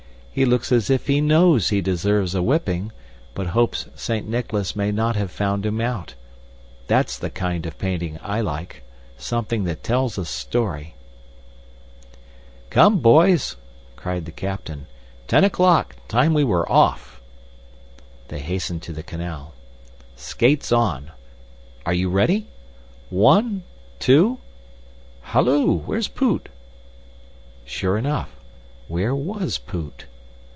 He looks as if he KNOWS he deserves a whipping, but hopes Saint Nicholas may not have found him out. That's the kind of painting I like; something that tells a story." "Come, boys!" cried the captain. "Ten o'clock, time we were off!" They hastened to the canal. "Skates on! Are you ready? One, two halloo! Where's Poot?" Sure enough, where WAS Poot?